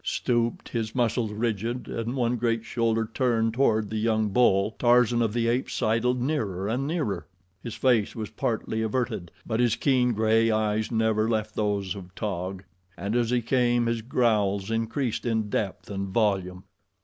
Stooped, his muscles rigid and one great shoulder turned toward the young bull, Tarzan of the Apes sidled nearer and nearer. His face was partly averted, but his keen gray eyes never left those of Taug, and as he came, his growls increased in depth and volume.